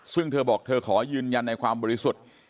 ซึ่งเธอบอกเธอขอยืนยันในความบริสุทธิ์